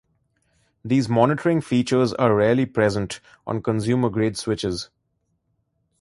These monitoring features are rarely present on consumer-grade switches.